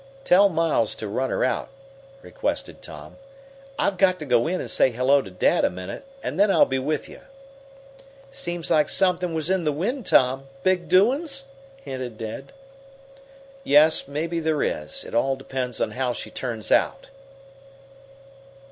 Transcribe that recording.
"Tell Miles to run her out," requested Tom. "I've got to go in and say hello to dad a minute, and then I'll be with you." "Seems like something was in the wind, Tom big doings?" hinted Ned. "Yes, maybe there is. It all depends on how she turns out."